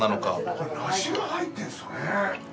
これ梨が入ってるんですよね。